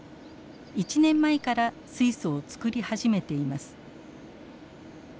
１年前から水素を作り始めています。